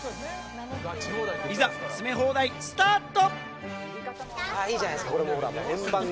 いざ詰め放題、スタート！